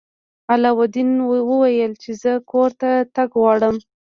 علاوالدین وویل چې زه کور ته تګ غواړم.